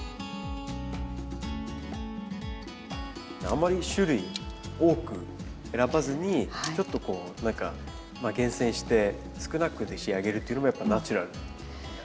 あまり種類多く選ばずにちょっとこう何か厳選して少なくで仕上げるっていうのもやっぱナチュラルな？